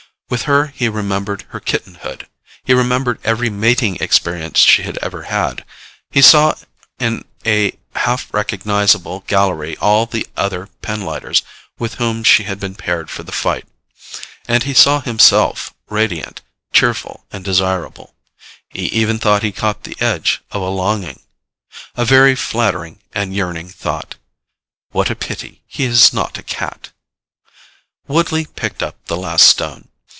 With her he remembered her kittenhood. He remembered every mating experience she had ever had. He saw in a half recognizable gallery all the other pinlighters with whom she had been paired for the fight. And he saw himself radiant, cheerful and desirable. He even thought he caught the edge of a longing A very flattering and yearning thought: What a pity he is not a cat. Woodley picked up the last stone.